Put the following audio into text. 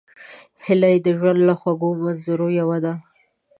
هیلۍ د ژوند له خوږو منظرو یوه ده